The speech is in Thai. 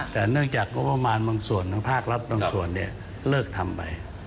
แต่เนื่องจากงบประมาณบางส่วนทางภาครัฐบางส่วนเลิกทำไป